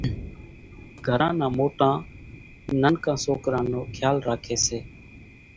گھر نان موٽان ننڪان سوڪران نو کيال راکي سي